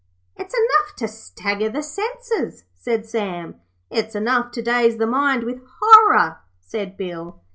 'It's enough to stagger the senses,' said Sam. 'It's enough to daze the mind with horror,' said Bill.